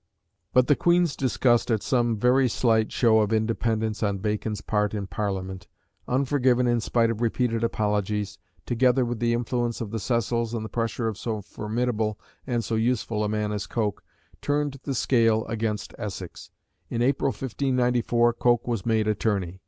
But the Queen's disgust at some very slight show of independence on Bacon's part in Parliament, unforgiven in spite of repeated apologies, together with the influence of the Cecils and the pressure of so formidable and so useful a man as Coke, turned the scale against Essex. In April, 1594, Coke was made Attorney.